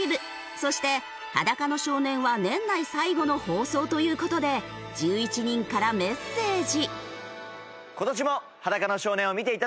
そして『裸の少年』は年内最後の放送という事で１１人からメッセージ。